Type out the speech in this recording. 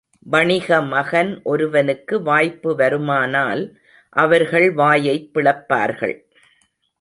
வணிக மகன் ஒருவனுக்கு வாய்ப்பு வருமானால் அவர்கள் வாயைப் பிளப்பார்கள்.